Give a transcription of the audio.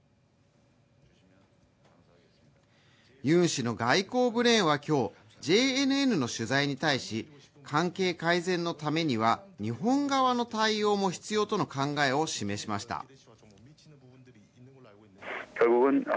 ユン氏の外交ブレインは今日ＪＮＮの取材に対し関係改善のためには日本側の対応も必要との考えを示しました。